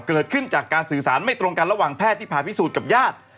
เกิดขึ้นจากการสื่อสารไม่ตรงกันระหว่างแพทย์ที่ผ่าพิสูจน์กับญาติ